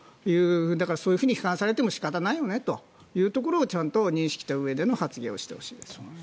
だからそういうふうに批判されても仕方がないよねということをちゃんと認識したうえでの発言をしてほしいですね。